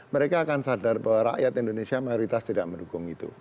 mereka akan sadar bahwa rakyat indonesia mayoritas tidak mendukung itu